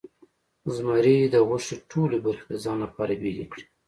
زمري د غوښې ټولې برخې د ځان لپاره بیلې کړې.